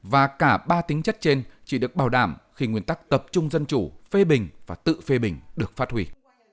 và cả ba tính chất trên chỉ được bảo đảm khi nguyên tắc tập trung dân chủ phê bình và tự phê bình được phát huy